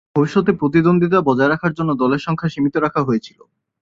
ভবিষ্যতে প্রতিদ্বন্দ্বিতা বজায় রাখার জন্য দলের সংখ্যা সীমিত রাখা হয়েছিল।